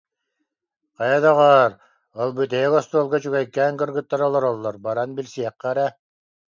Хайа, доҕоор, ол бүтэһик остуолга үчүгэйкээн кыргыттар олороллор, баран билсиэххэ эрэ